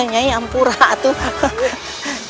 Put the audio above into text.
nyai ampura atuh